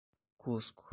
Cusco